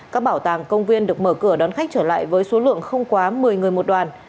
các bảo tàng công viên được mở cửa đón khách trở lại với số lượng không quá một mươi người một đoàn